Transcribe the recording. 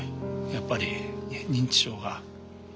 やっぱり認知症が。